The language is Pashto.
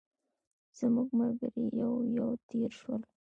زموږ ملګري یو یو تېر شول.